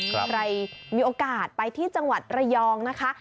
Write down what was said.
ใครมีโอกาสไปที่จังหวัดระยองนะคะ